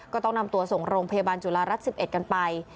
ก็ต้องนำตัวส่งโรงพยาบาลจุฬารัฐ๑๑กันไป